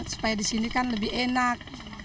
supaya di sini kan lebih enak